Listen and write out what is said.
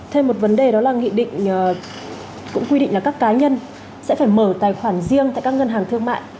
thêm một vấn đề đó là nghị định cũng quy định là các cá nhân sẽ phải mở tài khoản riêng tại các ngân hàng thương mại